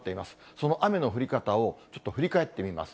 その雨の降り方をちょっと振り返ってみます。